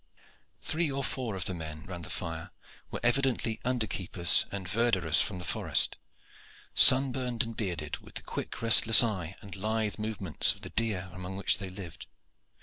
Three or four of the men round the fire were evidently underkeepers and verderers from the forest, sunburned and bearded, with the quick restless eye and lithe movements of the deer among which they lived.